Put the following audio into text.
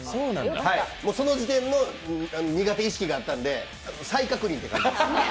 その時点の苦手意識があったんで再確認です。